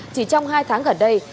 chỉ trong hai tháng gần đây